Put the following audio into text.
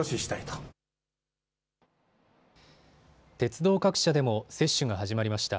鉄道各社でも接種が始まりました。